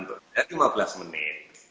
saya lima belas menit